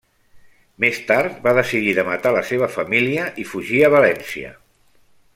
Més tard va decidir de matar la seva família i fugir a València.